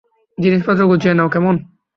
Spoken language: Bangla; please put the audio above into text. জিনিসপত্র গুছিয়ে নাও, কেমন?